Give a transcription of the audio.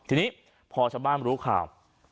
ทีนี้พอชาวบ้านรู้ข่าว